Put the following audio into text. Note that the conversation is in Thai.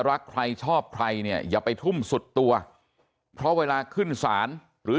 รักใครชอบใครเนี่ยอย่าไปทุ่มสุดตัวเพราะเวลาขึ้นศาลหรือ